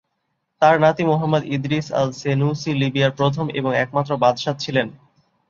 তার নাতি Muhammad Idris al-Senussi লিবিয়ার প্রথম এবং একমাত্র বাদশাহ ছিলেন।